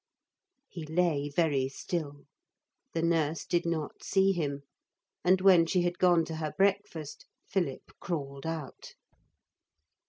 He lay very still. The nurse did not see him. And when she had gone to her breakfast Philip crawled out.